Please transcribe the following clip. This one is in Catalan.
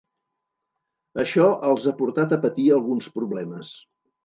Això els ha portat a patir alguns problemes.